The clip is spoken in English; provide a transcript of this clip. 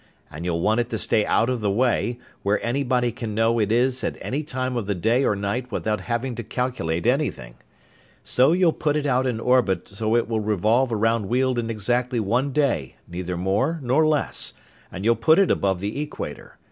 And you'll want it to stay out of the way, where anybody can know it is at any time of the day or night without having to calculate anything. "So you'll put it out in orbit so it will revolve around Weald in exactly one day, neither more nor less, and you'll put it above the equator.